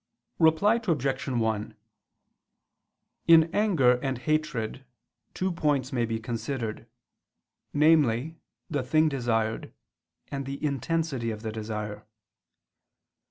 Reply Obj. 1: In anger and hatred two points may be considered: namely, the thing desired, and the intensity of the desire.